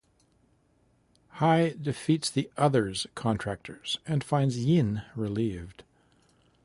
Hei defeats the others Contractors and finds Yin relieved.